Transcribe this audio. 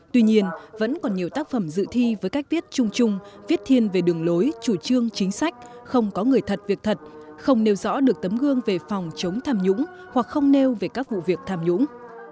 tuy nhiên vẫn còn nhiều tác phẩm dự thi với cách viết chung chung viết thiên về đường lối chủ trương chính sách không có người thật việc thật không nêu rõ được tấm gương về phòng chống tham nhũng hoặc không nêu về các vụ việc tham nhũng